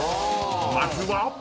［まずは］